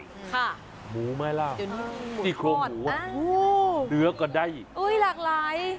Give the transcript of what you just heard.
ค่ะหมูไหมล่ะซี่โครงหมูอ่ะโอ้โหเนื้อก็ได้อุ้ยหลากหลาย